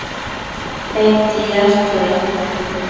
¿tedtsi yash chue